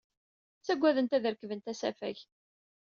Ttagadent ad rekbent asafag.